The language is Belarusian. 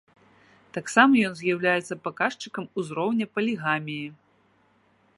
Таксама ён з'яўляецца паказчыкам узроўня палігаміі.